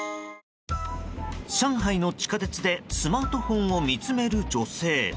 上海の地下鉄でスマートフォンを見つめる女性。